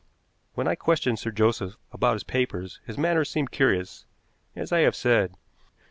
When I questioned Sir Joseph about his papers his manner seemed curious, as I have said.